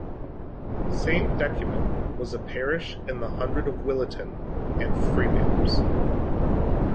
Saint Decuman was a parish in the hundred of Williton and Freemanners.